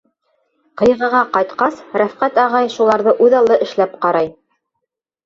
Ҡыйғыға ҡайтҡас, Рәфҡәт ағай шуларҙы үҙаллы эшләп ҡарай.